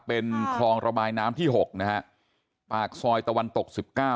เป็นคลองระบายน้ำที่หกนะฮะปากซอยตะวันตกสิบเก้า